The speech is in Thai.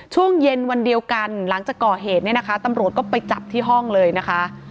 ช่วงเย็นวันเดียวกันหลังจากก่อเหตุเนี่ยนะคะตำรวจก็ไปจับที่ห้องเลยนะคะ